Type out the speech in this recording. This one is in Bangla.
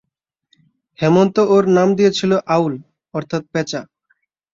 হেমন্ত ওর নাম দিয়েছিল আউল, অর্থাৎ প্যাঁচা।